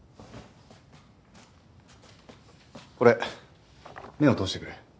これ目を通してくれ。